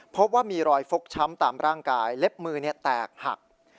พบว่ามีรอยฟกช้ำตามร่างกายเล็บมือแตกหัก